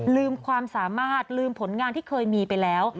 ลืมความสามารถลืมผลงานที่เคยมีไปแล้ว